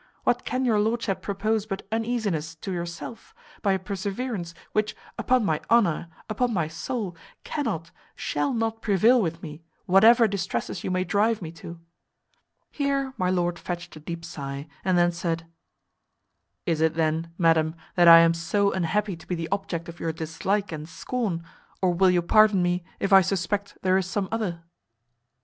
What can your lordship propose but uneasiness to yourself, by a perseverance, which, upon my honour, upon my soul, cannot, shall not prevail with me, whatever distresses you may drive me to." Here my lord fetched a deep sigh, and then said "Is it then, madam, that I am so unhappy to be the object of your dislike and scorn; or will you pardon me if I suspect there is some other?"